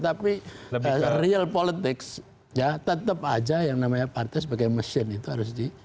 tapi real politics ya tetap aja yang namanya partai sebagai mesin itu harus di